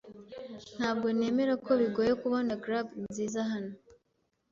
Ntabwo nemera ko bigoye kubona grub nziza hano.